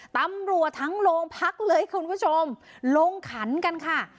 ตำรวจทั้งโรงพักเลยคุณผู้ชมลงขันกันค่ะ